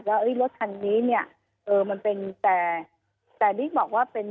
แล้วรถคันนี้เนี่ยเออมันเป็นแต่แต่นี่บอกว่าเป็น